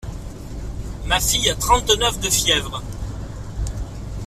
Ma fille a trente neuf de fièvre.